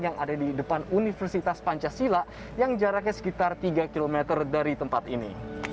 yang ada di depan universitas pancasila yang jaraknya sekitar tiga km dari tempat ini